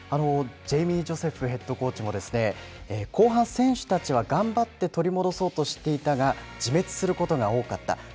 ジェイミー・ジョセフヘッドコーチも後半、選手たちは頑張って取り戻そうとしていたが、自滅することが多かった。